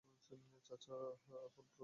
চাচা আপন প্রাণ বাঁচা।